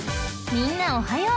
［みんなおはよう。